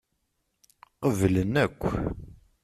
Qeblen akk.